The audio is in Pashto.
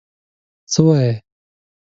څه وایې؟